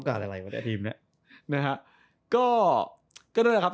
ก็ด้วยละครับ